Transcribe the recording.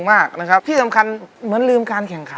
ไหนพี่เพิลสอนนังสิ